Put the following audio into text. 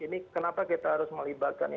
ini kenapa kita harus melibatkan